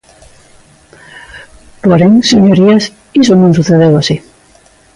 Porén, señorías, iso non sucedeu así.